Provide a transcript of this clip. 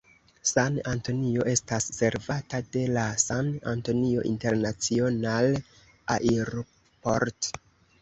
San-Antonio estas servata de la San Antonio International Airport.